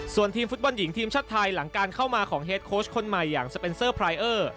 ส่วนทีมฟุตบอลหญิงทีมชาติไทยหลังการเข้ามาของเฮดโค้ชคนใหม่อย่างสเปนเซอร์ไพรเออร์